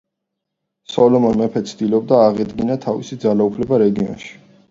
სოლომონ მეფე ცდილობდა აღედგინა თავისი ძალაუფლება რეგიონში.